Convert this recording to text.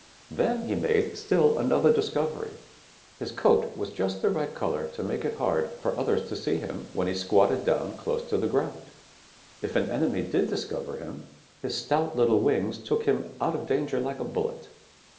Then he made still another discovery. His coat was just the right color to make it hard work for others to see him when he squatted down close to the ground. If an enemy did discover him, his stout little wings took him out of danger like a bullet.